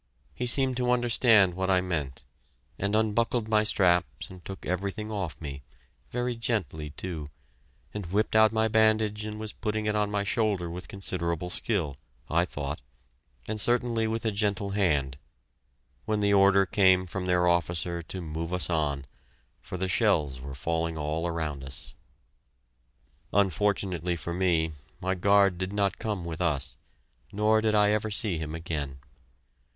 He seemed to understand what I meant, and unbuckled my straps and took everything off me, very gently, too, and whipped out my bandage and was putting it on my shoulder with considerable skill, I thought, and certainly with a gentle hand when the order came from their officer to move us on, for the shells were falling all around us. Unfortunately for me, my guard did not come with us, nor did I ever see him again.